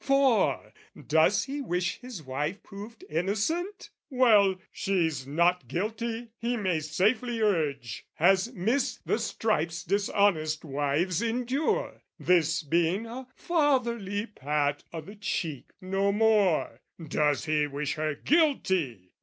"For, does he wish his wife proved innocent? "Well, she's not guilty, he may safely urge, "Has missed the stripes dishonest wives endure "This being a fatherly pat o' the cheek, no more. "Does he wish her guilty?